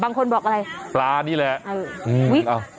บางคนบอกอะไรปลานี่แหละ